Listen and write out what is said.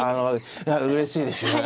いやうれしいですね。